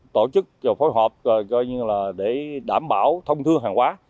tổ chức và phối hợp để đảm bảo thông thương hàng hóa